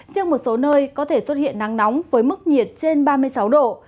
riêng một số nơi có thể xuất hiện nắng nóng với mức nhiệt trên ba mươi sáu độ